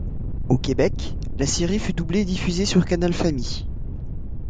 Au Québec, la série fut doublée et diffusée sur Canal Famille.